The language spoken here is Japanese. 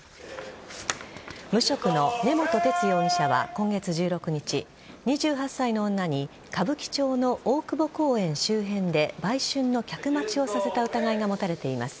無職の根本哲容疑者は今月１６日２８歳の女に歌舞伎町の大久保公園周辺で売春の客待ちをさせた疑いが持たれています。